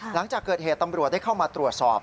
หลังจากเกิดเหตุตำรวจได้เข้ามาตรวจสอบ